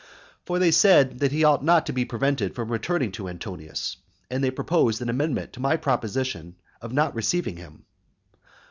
For they said that he ought not to be prevented from returning to Antonius, and they proposed an amendment to my proposition of not receiving him.